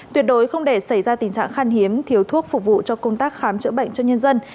tuyệt đối không để xảy ra tình trạng khan hiếm thiếu thuốc phục vụ cho công tác khám chữa bệnh cho nhân dân